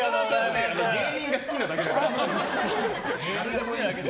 芸人が好きなだけですよ。